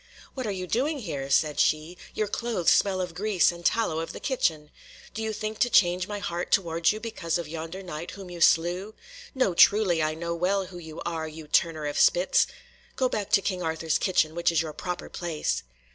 "What are you doing here?" said she. "Your clothes smell of the grease and tallow of the kitchen! Do you think to change my heart towards you because of yonder Knight whom you slew? No, truly! I know well who you are, you turner of spits! Go back to King Arthur's kitchen, which is your proper place."